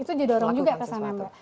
itu didorong juga ke sana mbak